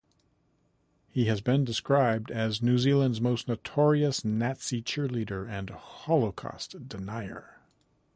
He has been described as "New Zealand's most notorious Nazi cheerleader and Holocaust denier".